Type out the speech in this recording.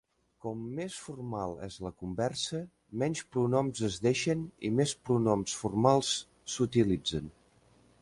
Com més formal és la conversa, menys pronoms es deixen i més pronoms formals s'utilitzen.